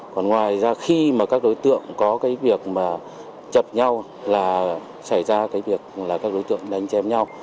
còn ngoài ra khi mà các đối tượng có cái việc mà chập nhau là xảy ra cái việc là các đối tượng đánh chém nhau